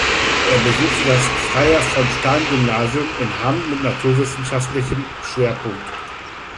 Er besuchte das Freiherr-vom-Stein-Gymnasium in Hamm mit naturwissenschaftlichem Schwerpunkt.